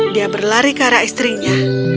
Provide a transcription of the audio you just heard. dia berlari ke arah istrinya